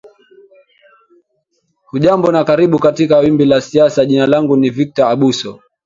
hujambo na karibu katika wimbi la siasa jina langu ni victor abuso